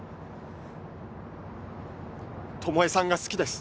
巴さんが好きです。